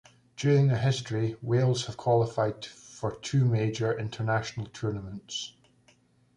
During their history, Wales have qualified for two major international tournaments.